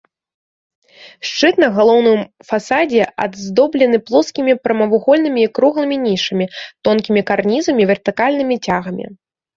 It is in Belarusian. Шчыт на галоўным фасадзе аздоблены плоскімі прамавугольнымі і круглымі нішамі, тонкімі карнізамі, вертыкальнымі цягамі.